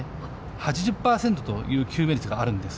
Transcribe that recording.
８０％という救命率があるんです。